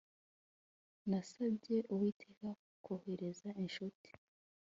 Nasabye Uwiteka kohereza inshuti